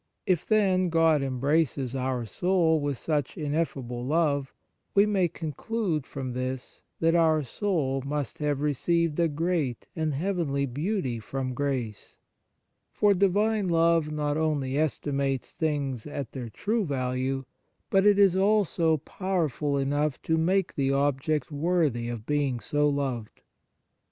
If, then, God embraces our soul with such ineffable love, we may conclude from this that our soul must have received a great and heavenly beauty from grace; for Divine love not only es timates things at their true value, but it is also powerful enough to make the object worthy of being so loved.